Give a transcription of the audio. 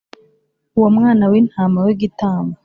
Uwo mwana w intama w igitambo